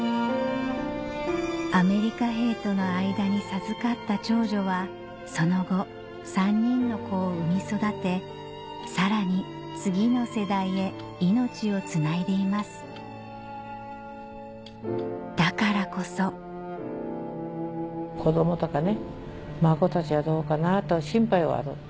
アメリカ兵との間に授かった長女はその後３人の子を産み育てさらに次の世代へ命をつないでいますだからこそ子供とか孫たちはどうかなと心配はある。